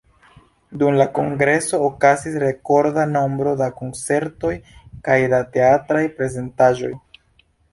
Dum la Kongreso okazis rekorda nombro da koncertoj kaj da teatraj prezentaĵoj.